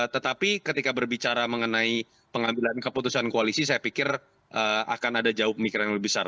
tetapi ketika berbicara mengenai pengambilan keputusan koalisi saya pikir akan ada jauh pemikiran yang lebih besar